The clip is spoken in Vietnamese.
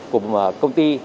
của công ty